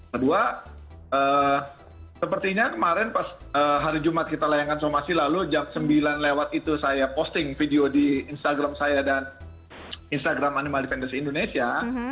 kedua sepertinya kemarin pas hari jumat kita layangkan somasi lalu jam sembilan lewat itu saya posting video di instagram saya dan instagram animal defenders indonesia